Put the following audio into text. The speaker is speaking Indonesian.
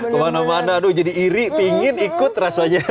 kemana mana aduh jadi iri pingin ikut rasanya